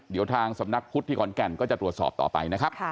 เดี๋ยวทางสำนักพุทธที่ขอนแก่นก็จะตรวจสอบต่อไปนะครับ